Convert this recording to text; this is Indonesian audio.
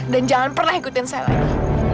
dan jangan pernah ikutin saya lagi